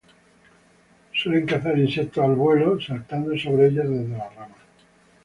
Suelen cazar insectos al vuelo saltando sobre ellos desde las ramas.